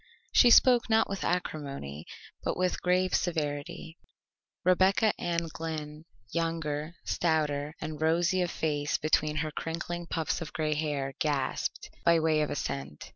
She spoke not with acrimony, but with grave severity. Rebecca Ann Glynn, younger, stouter and rosy of face between her crinkling puffs of gray hair, gasped, by way of assent.